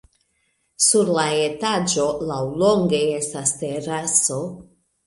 Sur la etaĝo laŭlonge estas teraso.